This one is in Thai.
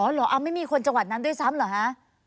เหรอไม่มีคนจังหวัดนั้นด้วยซ้ำเหรอคะ